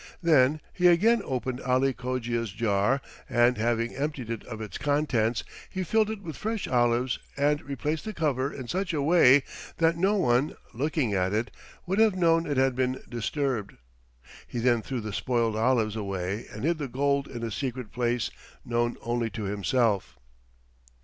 Then he again opened Ali Cogia's jar, and having emptied it of its contents, he filled it with fresh olives and replaced the cover in such a way that no one, looking at it, would have known it had been disturbed. He then threw the spoiled olives away and hid the gold in a secret place known only to himself.